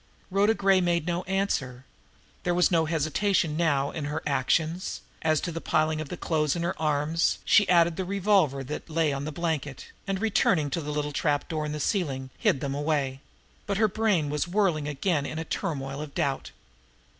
Rhoda Gray made no answer. There was no hesitation now in her actions, as, to the pile of clothing in her arms, she added the revolver that lay on the blanket, and, returning to the little trap door in the ceiling, hid them away; but her brain was whirling again in a turmoil of doubt.